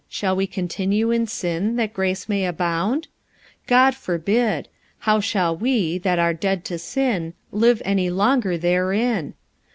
Shall we continue in sin, that grace may abound? 45:006:002 God forbid. How shall we, that are dead to sin, live any longer therein?